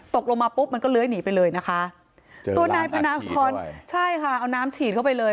ตกลงมาปุ๊บมันก็เลื้อยหนีไปเลยนะคะตัวนายพนาพรใช่ค่ะเอาน้ำฉีดเข้าไปเลย